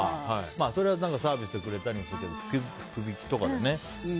それはサービスしてくれたりとかするけど、福引きとかでね。